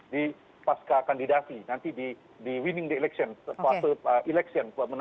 di pasca kandidasi